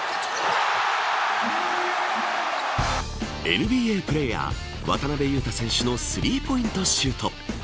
ＮＢＡプレーヤー渡邊雄太選手のスリーポイントシュート。